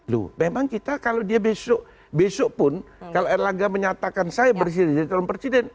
loh memang kita kalau dia besok pun kalau erlangga menyatakan saya bersih jadi calon presiden